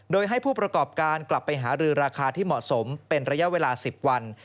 โดยให้ผู้ประกอบการกลับไปหารือราคาที่เหมาะสมเป็นระยะเวลา๑๐วัน